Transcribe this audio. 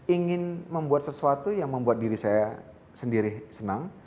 ingin membuat sesuatu yang membuat diri saya sendiri senang